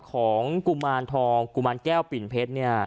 ของกุมารทองกุมารแก้วปิ่นเพชร